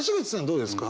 どうですか？